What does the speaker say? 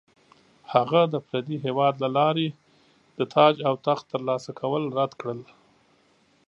هغه د پردي هیواد له لارې د تاج او تخت ترلاسه کول رد کړل.